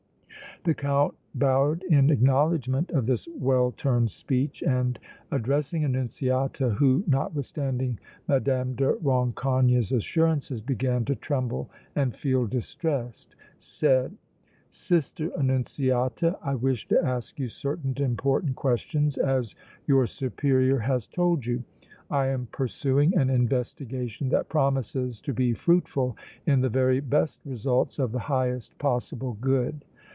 The Count bowed in acknowledgment of this well turned speech and, addressing Annunziata, who, notwithstanding Mme. de Rancogne's assurances, began to tremble and feel distressed, said: "Sister Annunziata, I wish to ask you certain important questions as your Superior has told you. I am pursuing an investigation that promises to be fruitful in the very best results of the highest possible good.